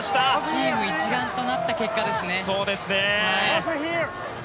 チーム一丸となった結果ですね。